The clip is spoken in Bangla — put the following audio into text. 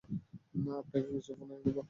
আপনাকে কিছু ফুল এনে দেব।